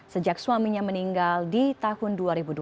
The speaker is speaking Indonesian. sejak suaminya meninggal di tahun dua ribu dua belas